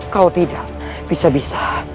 kalau tidak bisa bisa